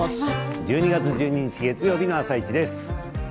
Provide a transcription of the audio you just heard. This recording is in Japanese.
１２月１２日月曜日の「あさイチ」です。